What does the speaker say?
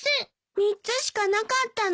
３つしかなかったの。